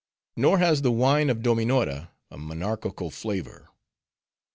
Nor has the wine of Dominora, a monarchical flavor.